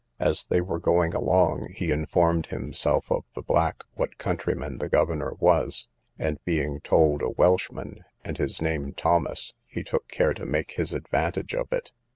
As they were going along, he informed himself of the black what countryman the governor was; and being told a Welshman, and his name Thomas, he took care to make his advantage of it.